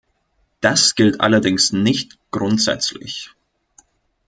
Das gilt allerdings nicht grundsätzlich.